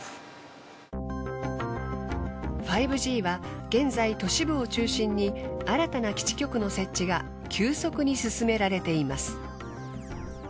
５Ｇは現在都市部を中心に新たな基地局の設置が急速に進められています。